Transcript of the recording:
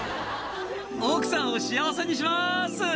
「奥さんを幸せにします」